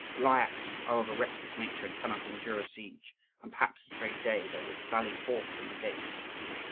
The Lyakhs are of a restless nature and cannot endure a siege, and perhaps this very day they will sally forth from the gates.